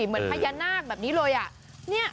เหมือนพญานาคแบบนี้เลย